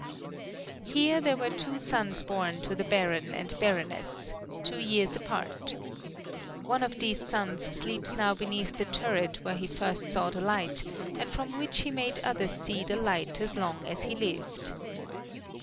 Here there were two sons born to the Baron and Baroness two years apart. One of these sons sleeps now beneath the turret where he first saw the light, and from which he made others see the light as long as he lived.